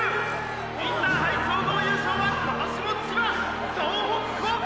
インターハイ総合優勝は今年も千葉総北高校！！」